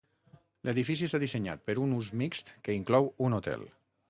L'edifici està dissenyat per un ús mixt que inclou un hotel.